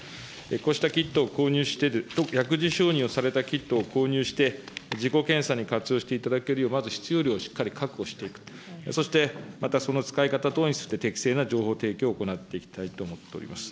こうしたキットを購入して、薬事承認をされたキットを購入して、自己検査に活用していただけるよう、まず必要量をしっかり確保していく、そしてまたその使い方等について、適正な情報提供を行っていきたいと思っております。